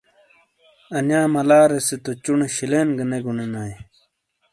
انیا ملارے سے تو چُونے شِلینگہ نے گُنے نائیے۔